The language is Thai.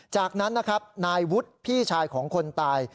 จากนั้นนะครับนายวุฒิพี่ชายของคนตาย